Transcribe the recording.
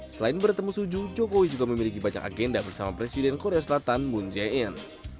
selain bertemu suju jokowi juga memiliki banyak agenda bersama presiden korea selatan moon jae in